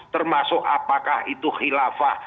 termasuk apakah itu khilafah